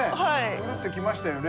うるっときましたよね。